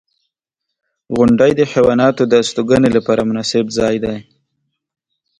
• غونډۍ د حیواناتو د استوګنې لپاره مناسب ځای دی.